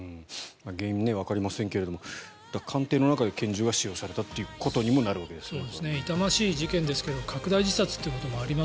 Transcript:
原因わかりませんけれども官邸の中で拳銃が使用されたということにもなるわけですね。